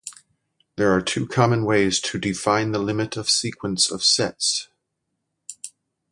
There are two common ways to define the limit of sequences of sets.